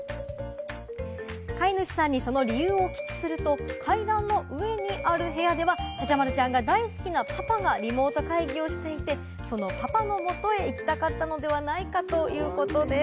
飼い主さんにその理由をお聞きすると、階段の上にある部屋では、茶々丸ちゃんが大好きなパパがリモート会議をしていて、そのパパのもとへ行きたかったのではないかということです。